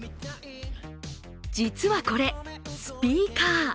実はこれ、スピーカー。